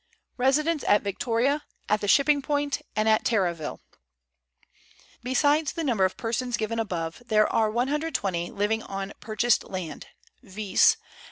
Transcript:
RESIDENTS AT VICTORIA, AT THE SHIPPING POINT, AND AT TABRAVILLE. Besides the number of persons given above, there are 120 living on purchased land, viz.